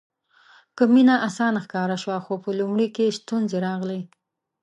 که مینه اسانه ښکاره شوه خو په لومړي کې ستونزې راغلې.